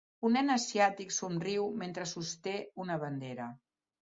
Un nen asiàtic somriu mentre sosté una bandera.